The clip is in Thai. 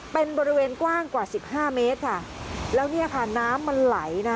เป็นบริเวณกว้างกว่า๑๕เมตรแล้วน้ำมันไหล